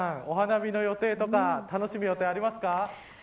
お花見の予定とか楽しむ予定はありますか。